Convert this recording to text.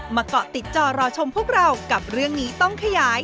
เกาะติดจอรอชมพวกเรากับเรื่องนี้ต้องขยาย